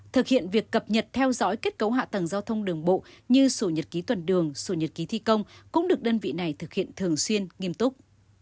thực hiện việc cập nhật theo dõi kết cấu hạ tầng giao thông đường bộ như sổ nhật ký tuần đường sổ nhật ký thi công cũng được đơn vị này thực hiện thường xuyên nghiêm túc